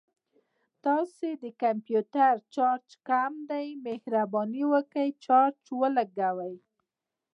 ستاسو د کمپوټر چارج کم دی، مهرباني وکړه چارج ولګوه